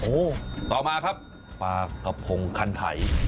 โอ้โหต่อมาครับปลากระพงคันไถ